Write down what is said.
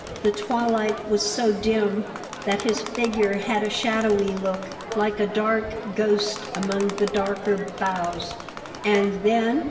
The twilight was so dim that his figure had a shadowy look, like a dark ghost among the darker boughs. "And then?"